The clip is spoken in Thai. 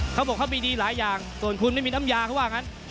เขาบอกเขามีดีหลายอย่างส่วนคุณไม่มีน้ำยาเขาว่างั้น